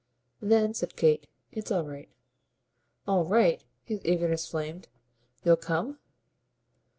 "Then," said Kate, "it's all right." "All right?" His eagerness flamed. "You'll come?"